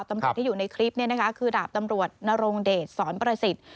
ตำรวจที่อยู่ในคลิปนี้นะคะคือดาบตำรวจนรงเดชสอนประสิทธิ์